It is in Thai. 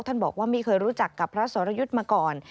บอกว่าไม่เคยรู้จักกับพระสรยุทธ์มาก่อน